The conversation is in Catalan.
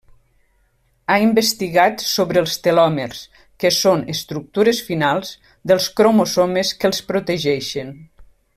Ha investigat sobre els telòmers que són estructures finals dels cromosomes que els protegeixen.